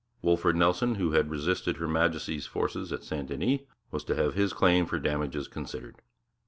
Wolfred Nelson, who had resisted Her Majesty's forces at St Denis, was to have his claim for damages considered.